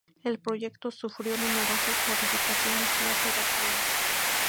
El proyecto sufrió numerosas modificaciones y alteraciones.